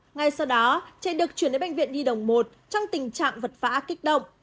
ngay sau đó trẻ được chuyển đến bệnh viện nhi đồng một trong tình trạng vật vã kích động